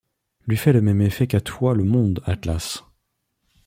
Lui fait le même effet qu'à toi le monde, Atlas !